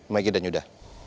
maiki dan yuda